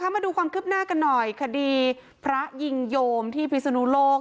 มาดูความคืบหน้ากันหน่อยคดีพระยิงโยมที่พิศนุโลก